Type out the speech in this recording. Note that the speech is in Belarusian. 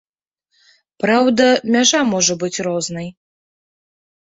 Праўда, мяжа можа быць рознай.